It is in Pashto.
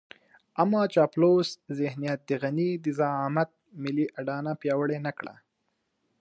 اما چاپلوس ذهنيت د غني د زعامت ملي اډانه پياوړې نه کړه.